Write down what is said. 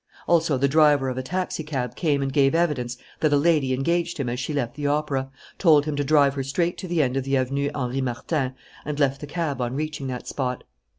Also, the driver of a taxicab came and gave evidence that a lady engaged him as she left the opera, told him to drive her straight to the end of the Avenue Henri Martin, and left the cab on reaching that spot.